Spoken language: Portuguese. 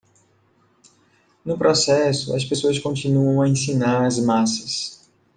No processo, as pessoas continuam a ensinar as massas